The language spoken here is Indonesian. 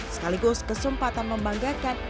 sekaligus kesempatan membanggakan